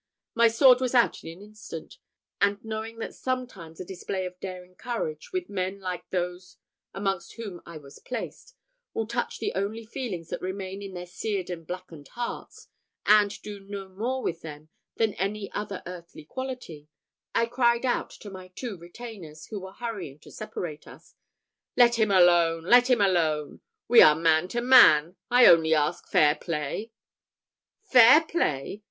My sword was out in an instant; and knowing that sometimes a display of daring courage, with men like those amongst whom I was placed, will touch the only feelings that remain in their seared and blackened hearts, and do more with them than any other earthly quality, I cried out to my two retainers, who were hurrying to separate us, "Let him alone! let him alone! We are man to man. I only ask fair play." "Fair play!